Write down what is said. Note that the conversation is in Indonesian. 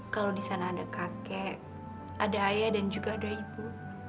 kalau di sana ada kakek ada ayah dan juga ada ibu